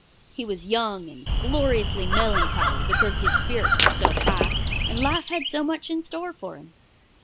He was young and gloriously melancholy because his spirits were so high and life had so much in store for him.